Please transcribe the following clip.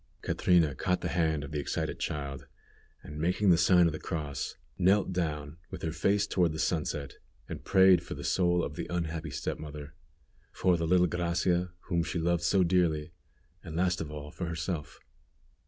Catrina caught the hand of the excited child, and making the sign of the cross, knelt down with her face toward the sunset, and prayed for the soul of the unhappy step mother, for the little Gracia, whom she loved dearly, and last of all for herself.